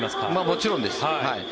もちろんです。